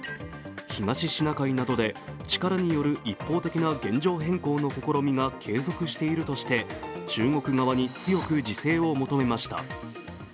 東シナ海などで力による一方的な現状変更の試みが継続しているとして、中国側に強く自制を求めました。